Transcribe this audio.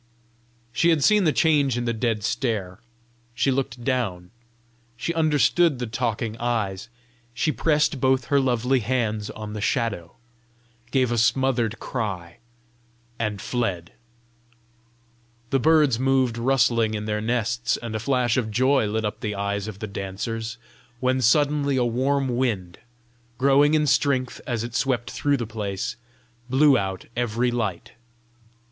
She had seen the change in the dead stare; she looked down; she understood the talking eyes; she pressed both her lovely hands on the shadow, gave a smothered cry, and fled. The birds moved rustling in their nests, and a flash of joy lit up the eyes of the dancers, when suddenly a warm wind, growing in strength as it swept through the place, blew out every light.